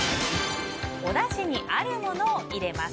おだしにあるものを入れます。